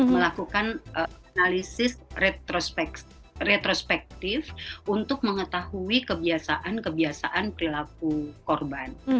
melakukan analisis retrospektif untuk mengetahui kebiasaan kebiasaan perilaku korban